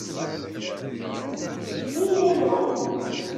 D ayla-nwen.